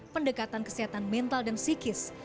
pendekatan kesehatan mental dan psikis